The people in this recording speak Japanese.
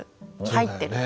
「入ってる」。